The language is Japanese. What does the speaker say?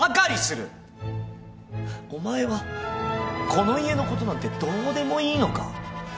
お前はこの家のことなんてどうでもいいのか？